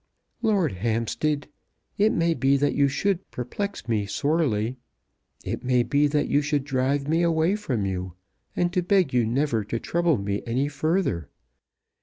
"Lord Hampstead, it may be that you should perplex me sorely. It may be that you should drive me away from you, and to beg you never to trouble me any further.